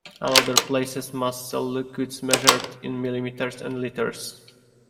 All other places must sell liquids measured in millilitres and litres.